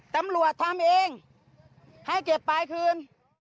ตำรวจทำเองให้เก็บปลายคืน